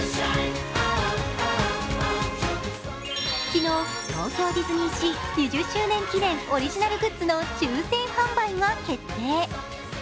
昨日、東京ディズニーシー２０周年記念オリジナルグッズの抽選販売が決定。